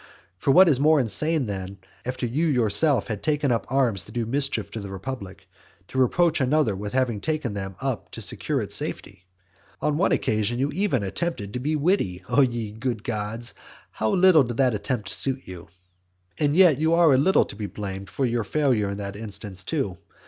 For what is more insane than, after you yourself have taken up arms to do mischief to the republic, to reproach another with having taken them up to secure its safety? On one occasion you attempted even to be witty. O ye good gods, how little did that attempt suit you! And yet you are a little to be blamed for your failure in that instance, too.